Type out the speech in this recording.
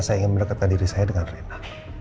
dan saya ingin membuatkan diri saya dengan rina